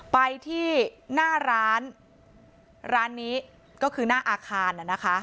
ไปที่หน้าร้านร้านนี้ก็คือหน้าอาคารน่ะนะคะ